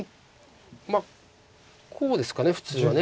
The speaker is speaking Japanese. まあこうですか普通は。